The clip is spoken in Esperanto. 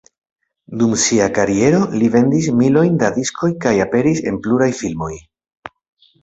Dum sia kariero li vendis milojn da diskoj kaj aperis en pluraj filmoj.